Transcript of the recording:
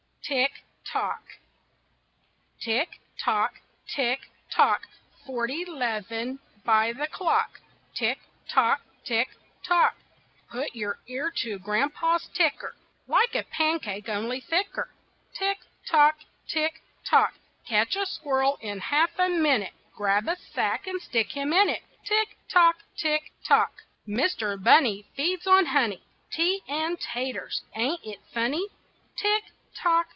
TICK, TOCK Tick, tock! Tick, tock! Forty 'leven by the clock. Tick, tock! Tick, tock! Put your ear to Grandpa's ticker, Like a pancake, only thicker. Tick, tock! Tick, tock! Catch a squirrel in half a minute, Grab a sack and stick him in it. Tick, tock! Tick, tock! Mister Bunny feeds on honey, Tea, and taters ain't it funny? Tick, tock!